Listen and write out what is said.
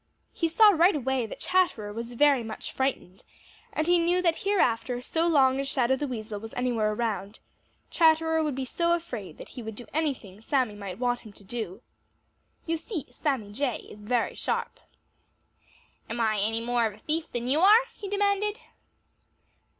He saw right away that Chatterer was very much frightened, and he knew that hereafter so long as Shadow the Weasel was anywhere around, Chatterer would be so afraid that he would do anything Sammy might want him to. You see, Sammy Jay is very sharp. "Am I any more of a thief than you are?" he demanded.